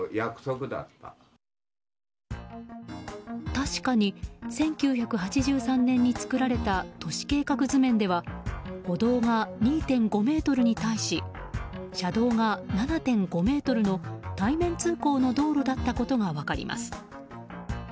確かに、１９８３年に作られた都市計画図面では歩道が２．５ｍに対し車道が７．５ｍの対面通行の道路だったことが分かります。